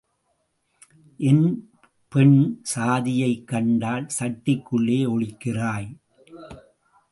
என் பெண் சாதியைக் கண்டால் சட்டிக்குள்ளே ஒளிக்கிறாய்.